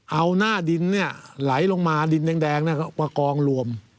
เอาหน้าดินไหลลงมาดินแดงมากองรวม